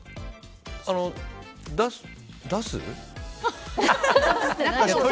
あの、出す？